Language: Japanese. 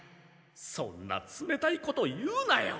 そんなつめたいこと言うなよ。